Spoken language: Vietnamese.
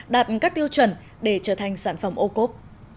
đạt các tiêu chuẩn để trở thành sản phẩm ô cốp